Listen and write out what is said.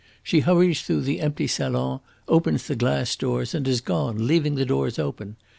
She hurries through the empty salon, opens the glass doors, and is gone, leaving the doors open.